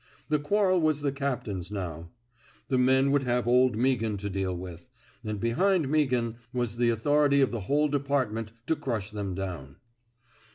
The quarrel was the captain's now. The men would have old Meaghan to deal with; and behind Meaghan was the authority of the whole department to crush them down.